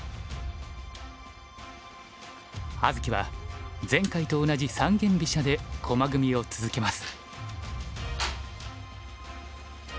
葉月は前回と同じ三間飛車で駒組みを続けます。